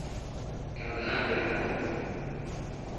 Qu’un brin d’herbe.